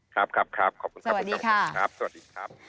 ครับขอบคุณครับสวัสดีครับ